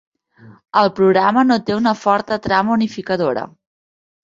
El programa no té una forta trama unificadora.